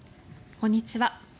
こんにちは。